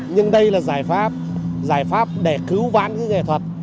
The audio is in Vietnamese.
nhưng đây là giải pháp giải pháp để cứu vãn những nghệ thuật